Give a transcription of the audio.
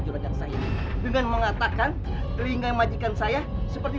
wakor dia masih simpan cepetan pak kok telinganya maaf telinganya kayak keledai